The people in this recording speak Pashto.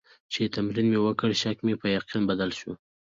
چې تمرین مې وکړ، شک مې په یقین بدل شو.